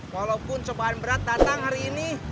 walaupun cobaan berat datang hari ini